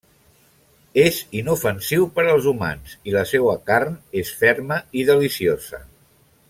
És inofensiu per als humans i la seua carn és ferma i deliciosa.